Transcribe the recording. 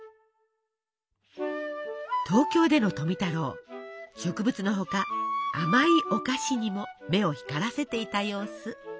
東京での富太郎植物の他甘いお菓子にも目を光らせていた様子。